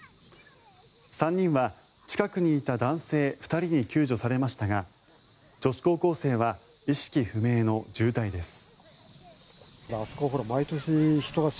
３人は近くにいた男性２人に救助されましたが女子高校生は意識不明の重体です。